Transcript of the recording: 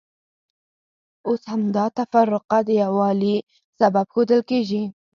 اوس همدا تفرقه د یووالي سبب ښودل کېږي.